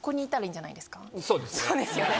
そうですね。